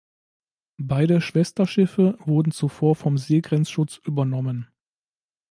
Beide Schwesterschiffe wurden zuvor vom Seegrenzschutz übernommen.